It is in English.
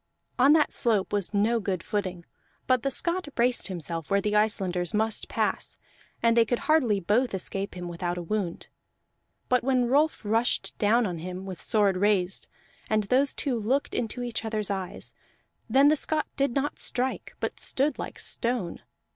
On that slope was no good footing; but the Scot braced himself where the Icelanders must pass, and they could hardly both escape him without a wound. But when Rolf rushed down on him, with sword raised, and those two looked into each other's eyes, then the Scot did not strike, but stood like stone.